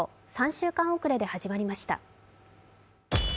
３週間遅れで始まりました。